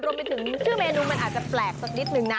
รวมไปถึงชื่อเมนูมันอาจจะแปลกสักนิดนึงนะ